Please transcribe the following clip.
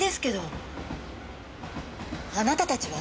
あなたたちは？